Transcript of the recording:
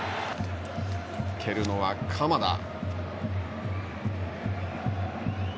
蹴るのは鎌田。